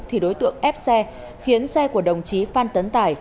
thì đối tượng ép xe khiến xe của đồng chí phan tấn tài